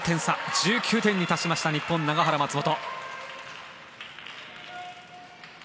１９点に達した日本、永原、松本。